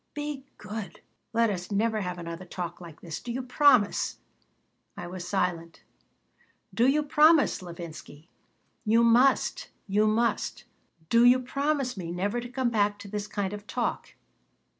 Be good. Let us never have another talk like this. Do you promise?" I was silent "Do you promise, Levinsky? You must. You must. Do you promise me never to come back to this kind of talk?"